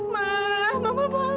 ma mama bangun